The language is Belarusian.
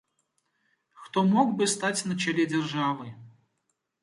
Хто мог бы стаць на чале дзяржавы?